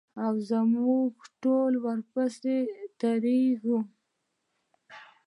او موږ ټول ورپسې درېږو.